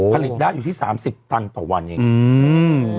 ผลิตได้อยู่ที่๓๐ตันต่อวันเอง